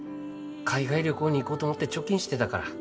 海外旅行に行こうと思って貯金してたから。